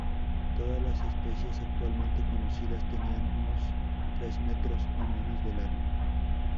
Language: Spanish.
Todas las especies actualmente conocidas tenían unos tres metros o menos de largo.